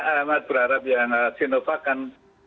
amat berharap ya sinovac kan